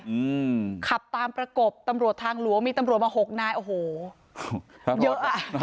อืมขับตามประกบตำรวจทางหลวงมีตำรวจมาหกนายโอ้โหครับเยอะอ่ะ